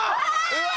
うわ！